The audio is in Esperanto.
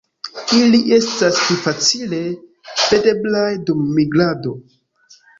Ili estas pli facile videblaj dum migrado.